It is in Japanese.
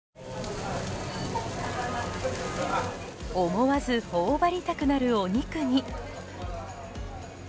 思わず頬張りたくなるお肉に。